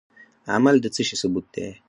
عمل د څه شي ثبوت دی؟